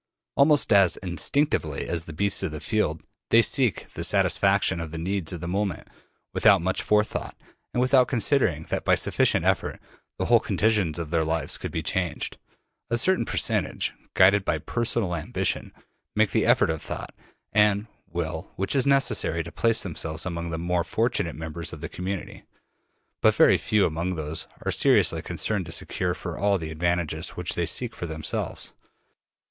Almost as instinctively as the beasts of the field, they seek the satisfaction of the needs of the moment, without much forethought, and without considering that by sufficient effort the whole conditions of their lives could be changed. A certain percentage, guided by personal ambition, make the effort of thought and will which is necessary to place themselves among the more fortunate members of the community; but very few among these are seriously concerned to secure for all the advantages which they seek for themselves.